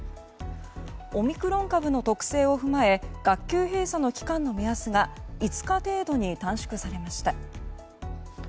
オミクロン株の特性を踏まえ学級閉鎖の期間の目安が５日程度に短縮されました。